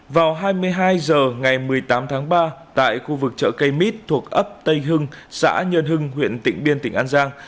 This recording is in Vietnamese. vào hai mươi hai h ngày một mươi tám tháng ba tại khu vực chợ cây mít thuộc ấp tây hưng xã nhơn hưng huyện tịnh biên tỉnh an giang